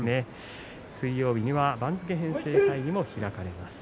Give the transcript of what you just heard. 水曜日には番付編成会議も開かれます。